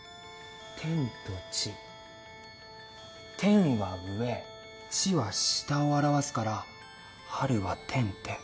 「天」と「地」「天」は上「地」は下を表すから春は「天・天」